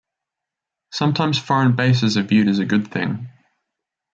Sometimes foreign bases are viewed as a good thing.